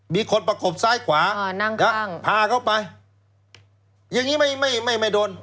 มีคนประกบซ่ายขวานั่งตั้งพาเขาไปอย่างงี้ไม่โดน